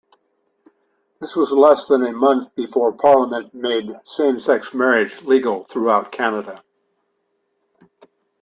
This was less than a month before Parliament made same-sex marriage legal throughout Canada.